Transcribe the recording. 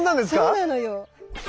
そうなのよ。